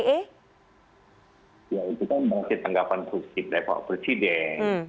ya itu kan masih tanggapan positif dari pak presiden